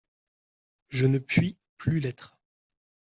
Je ne puis plus l'être.